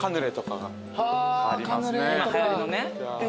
今はやりのね。